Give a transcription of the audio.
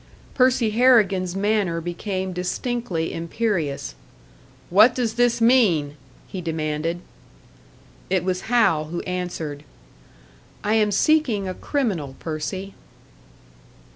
Percy Harrigan's manner became distinctly imperious. "What does this mean?" he demanded. It was Hal who answered. "I am seeking a criminal, Percy."